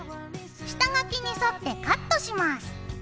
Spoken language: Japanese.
下書きに沿ってカットします。